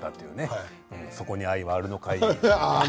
そこに愛があるのかな。